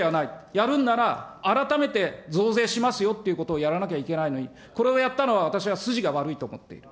やるんなら、改めて増税しますよっていうことをやらなきゃいけないのに、これをやったのは、私は筋が悪いと思っている。